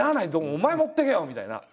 「お前持ってけよ」みたいな。